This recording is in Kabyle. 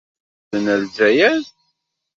Maɣef ay bɣan ad qqlen ɣer Lezzayer?